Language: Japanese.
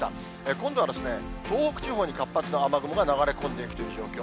今度は東北地方に活発な雨雲が流れ込んできている状況。